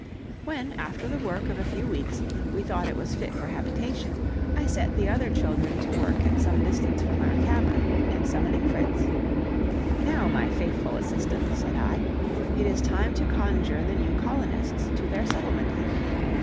When, after the work of a few weeks, we thought it was fit for habitation, I set the other children to work at some distance from our cavern, and summoning Fritz: "Now, my faithful assistant," said I, "it is time to conjure the new colonists to their settlement here.